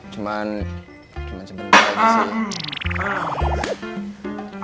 cuman cuman sebentar lagi sih